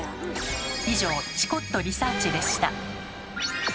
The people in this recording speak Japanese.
以上「チコっとリサーチ」でした。